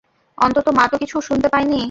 অন্তত মা তো কিছু শুনতে পায়নি!